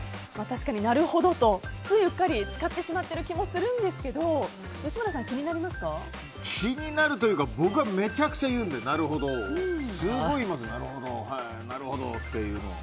確かになるほどと、ついうっかり使ってしまってる気もするんですけど気になるというか僕はめちゃくちゃ言うんでなるほどを。